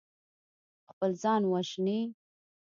خپل ځان وژني.